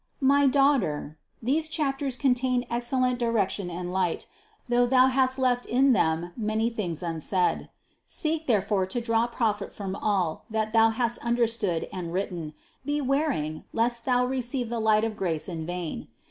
310. My daughter, these chapters contain excellent direction and light, though thou hast left in them many things unsaid. Seek therefore to draw profit from all that thou hast understood and written, bewaring lest thou receive the light of grace in vain.